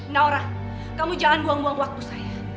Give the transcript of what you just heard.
naura kamu jangan buang buang waktu saya